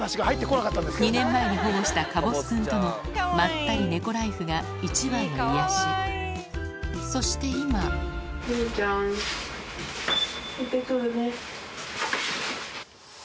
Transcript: ２年前に保護したかぼすくんとのまったり猫ライフが一番の癒やしそして今いってくるね。